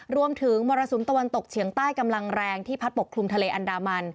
มรสุมตะวันตกเฉียงใต้กำลังแรงที่พัดปกคลุมทะเลอันดามัน